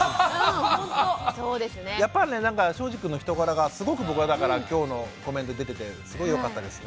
やっぱりねなんか庄司くんの人柄がすごく僕はだから今日のコメントに出ててすごいよかったですね。